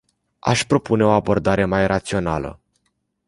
Aș propune o abordare mai rațională.